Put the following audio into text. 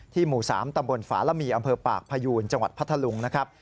หมู่๓ตำบลฝาระมีอำเภอปากพยูนจังหวัดพัทธลุงนะครับ